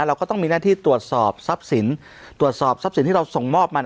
เราก็ต้องมีหน้าที่ตรวจสอบทรัพย์สินตรวจสอบทรัพย์สินที่เราส่งมอบมัน